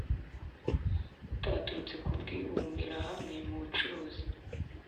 butaturutse kukwibumbira hamwe mu bucuruzi